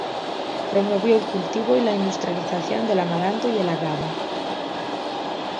Promovió el cultivo y la industrialización del amaranto y el agave.